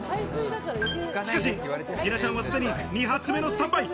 しかしティナちゃんはすでに２発目のスタンバイ。